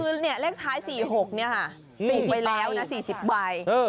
คือเลขท้าย๔๖เนี่ยค่ะถูกไปแล้วนะ๔๐ใบ